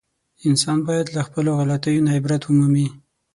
انسان باید له خپلو غلطیو نه عبرت و مومي.